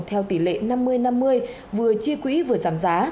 theo tỷ lệ năm mươi năm mươi vừa chi quỹ vừa giảm giá